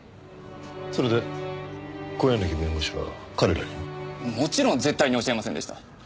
それで小柳弁護士は彼らには？もちろん絶対に教えませんでした。